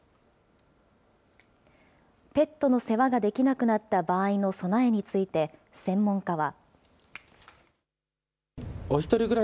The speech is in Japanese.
ペットの世話ができなくなった場合の備えについて、専門家は。